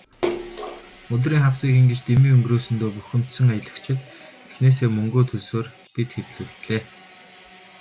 Өдрийн хагасыг ингэж дэмий өнгөрөөсөндөө бухимдсан аялагчид эхнээсээ мөнгөө төлсөөр, бид хэд л үлдлээ.